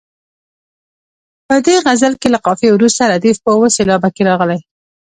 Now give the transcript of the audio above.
په دې غزل کې له قافیې وروسته ردیف په اوه سېلابه کې راغلی.